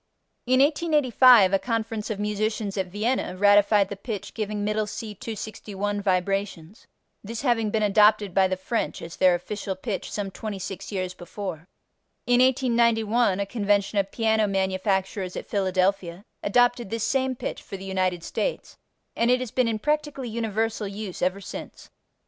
In 1885 a conference of musicians at Vienna ratified the pitch giving Middle C 261 vibrations, this having been adopted by the French as their official pitch some 26 years before. In 1891 a convention of piano manufacturers at Philadelphia adopted this same pitch for the United States, and it has been in practically universal use ever since.